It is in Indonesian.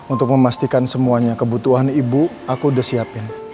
untuk memastikan semuanya kebutuhan ibu aku udah siapin